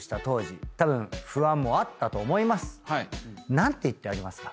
何て言ってあげますか？